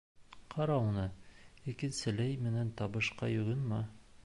Ҡара уны, икенселәй минең табышҡа йоғонма.